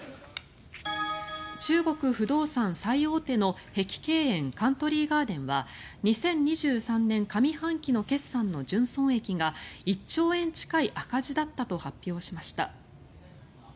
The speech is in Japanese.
中国不動産最大手の碧桂園、カントリー・ガーデンは２０２３年上半期の決算の純損益が１兆円近い赤字だったと発表しました。